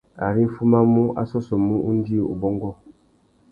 Ari nʼfumamú, a sôssômú undjï, ubôngô.